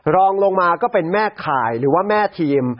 รองลงมาก็เป็นแม่ข่ายหรือว่าแม่ทีม